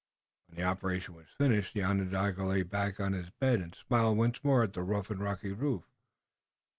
When the operation was finished the Onondaga lay back on his bed and smiled once more at the rough and rocky roof.